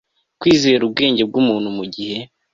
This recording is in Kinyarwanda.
kwizera ubwenge bwumuntu mugihe